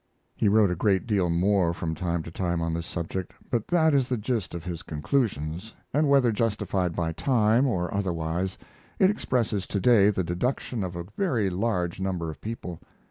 He wrote a great deal more from time to time on this subject; but that is the gist of his conclusions, and whether justified by time, or otherwise, it expresses today the deduction of a very large number of people.